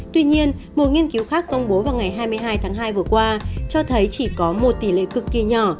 tuy nhiên một nghiên cứu khác công bố vào ngày hai mươi hai tháng hai vừa qua cho thấy chỉ có một tỷ lệ cực kỳ nhỏ